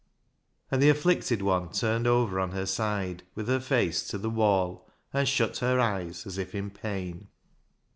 And the afflicted one turned over on her side with her face to the wall, and shut her eyes as if in pain.